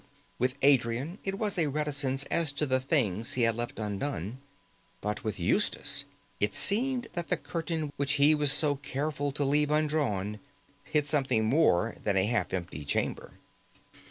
With Adrian it was a reticence as to the things he had left undone; but with Eustace it seemed that the curtain which he was so careful to leave undrawn hid something more than a half empty chamber.